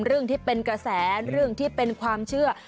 เรื่องที่เป็นกระแสเรื่องที่เป็นความเชื่อ